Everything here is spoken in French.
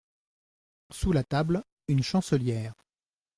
Sous la table, une chancelière.